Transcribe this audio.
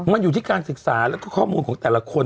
มันอยู่ที่การศึกษาแล้วก็ข้อมูลของแต่ละคน